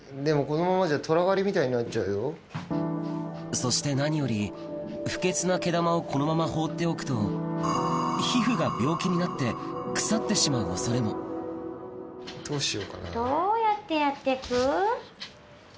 そして何より不潔な毛玉をこのまま放っておくと皮膚が病気になって腐ってしまう恐れもどうやってやってく？